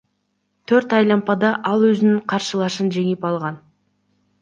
Төрт айлампада ал өзүнүн каршылашын жеңип алган.